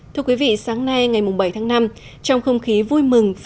thưa quý vị sáng nay ngày bảy tháng năm trong không khí vui mừng